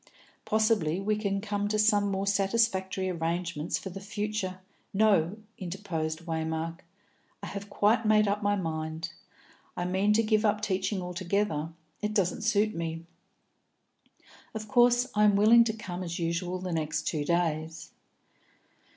Possibly we can come to some more satisfactory arrangements for the future " "No," interposed Waymark; "I have quite made up my mind. I mean to give up teaching altogether; it doesn't suit me. Of course I am willing to come as usual the next two days."